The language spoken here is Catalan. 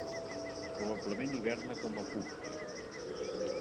Probablement hiberna com a pupa.